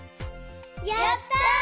やった！